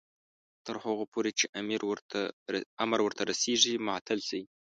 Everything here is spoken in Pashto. تر هغو پورې چې امر ورته رسیږي معطل شي.